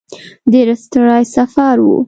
ډېر ستړی سفر و.